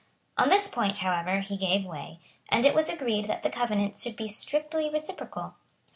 On this point, however, he gave way; and it was agreed that the covenants should be strictly reciprocal.